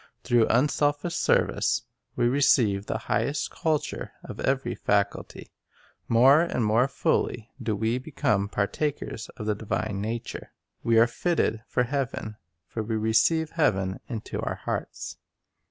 Through unselfish service we receive the highest culture of every faculty. More and more fully do we become partakers of the divine nature. We arc fitted for heaven; for we receive heaven into our hearts.